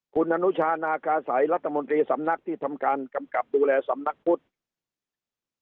คุณอนุชานาคาสัยรัฐมนตรีสำนักที่ทำการกำกับดูแลสำนักพุทธ